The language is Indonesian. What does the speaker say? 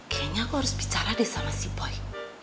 kayaknya aku harus bicara deh sama si boy